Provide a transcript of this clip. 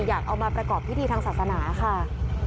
อยากเอามาประกอบพิธีทางศาสนาค่ะ